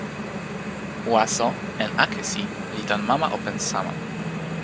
waso en akesi li tan mama open sama.